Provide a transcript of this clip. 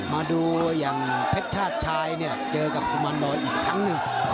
มาดูอย่างเพชรชายเจอกับอุมานบอลอีกครั้งหนึ่ง